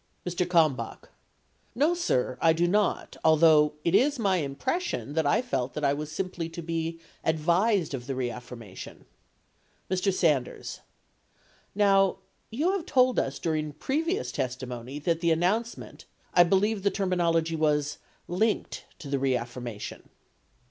Mr. Kalmbach. No, sir ; I do not, although it is my impres sion that I felt that I was simply to be advised of the reaffir mation. Mr. Sanders. Now, you have told us during previous testi mony that the announcement — I believe the terminology was "linked" to the reaffirmation.